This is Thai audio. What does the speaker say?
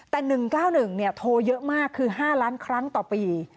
แต่๑๙๑โทรเยอะมากคือ๕ล้านครั้งต่อปี